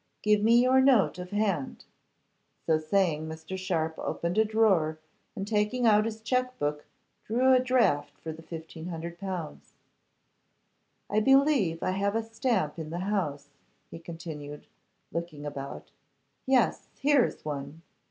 Give me your note of hand.' So saying, Mr. Sharpe opened a drawer, and taking out his cheque book drew a draft for the 1,500L. 'I believe I have a stamp in the house,' he continued, looking about. 'Yes, here is one.